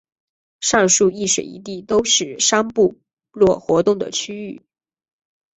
上述一水一地都是商部落活动的区域。